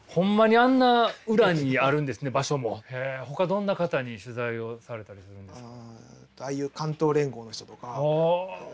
ほかどんな方に取材をされたりするんですか？